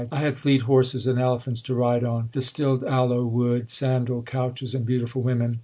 I had fleet horses and elephants to ride on, Distilled aloe wood, sandal, couches, and beautiful women.